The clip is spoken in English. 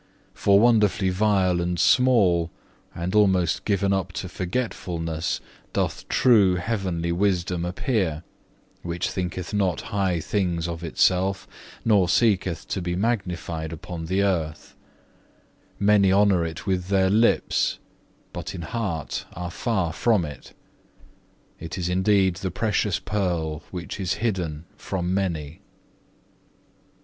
For wonderfully vile and small, and almost given up to forgetfulness, doth true heavenly wisdom appear, which thinketh not high things of itself, nor seeketh to be magnified upon the earth; many honour it with their lips, but in heart are far from it; it is indeed the precious pearl, which is hidden from many."